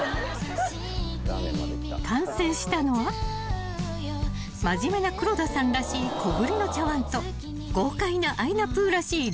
［完成したのは真面目な黒田さんらしい小ぶりの茶わんと豪快なあいなぷぅらしい丼茶わん］